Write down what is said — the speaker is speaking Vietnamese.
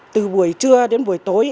từ buổi trưa đến buổi tối